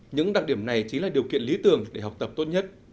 những đặc điểm này chính là điều kiện lý tưởng để học tập tốt nhất